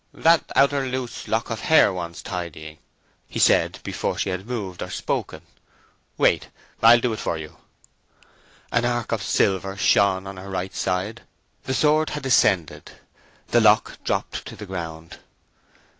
"That outer loose lock of hair wants tidying," he said, before she had moved or spoken. "Wait: I'll do it for you." An arc of silver shone on her right side: the sword had descended. The lock dropped to the ground.